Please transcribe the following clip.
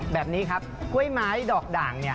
แบบนี้ครับกล้วยไม้ดอกด่างเนี่ย